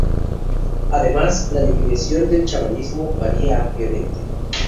Además, la definición de chamanismo varía ampliamente.